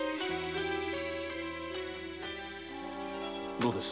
どうです？